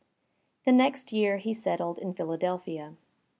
The next year he settled in Philadelphia.